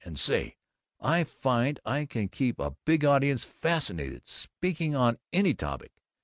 And say, I find I can keep a big audience fascinated, speaking on any topic.